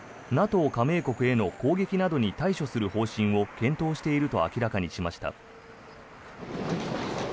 加盟国への攻撃などに対処する方針を検討していると明らかにしました。